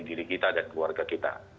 diri kita dan keluarga kita